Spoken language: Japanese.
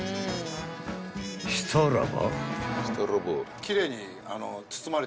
［したらば］